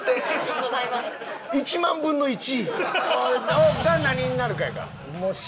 １万分の１？が何になるかやから。